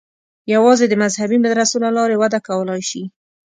یوازې د مذهبي مدرسو له لارې وده کولای شي.